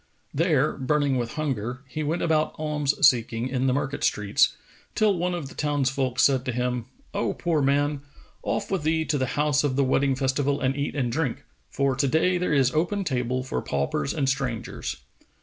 There, burning with hunger, he went about alms seeking in the market streets, till one of the townsfolk said to him, "O poor man, off with thee to the house of the wedding festival and eat and drink; for to day there is open table for paupers and strangers."